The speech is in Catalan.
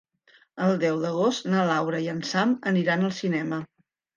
El deu d'agost na Laura i en Sam aniran al cinema.